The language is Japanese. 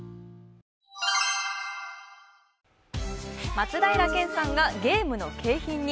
松平健さんが、ゲームの景品に。